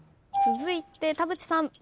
続いて田渕さん。